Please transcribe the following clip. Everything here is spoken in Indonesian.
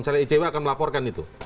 misalnya icw akan melaporkan itu